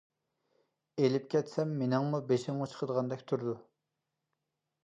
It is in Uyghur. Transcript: ئېلىپ كەتسەم مېنىڭمۇ بېشىمغا چىقىدىغاندەك قىلىدۇ.